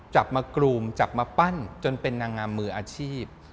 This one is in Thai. จับมากรูมจับมาปั้นจนเป็นนางงามมืออาชีพ